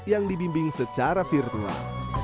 yang dibimbing secara virtual